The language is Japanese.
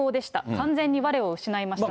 完全にわれを失いましたと。